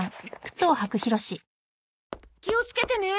気をつけてね。